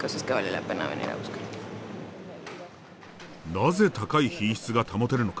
なぜ高い品質が保てるのか。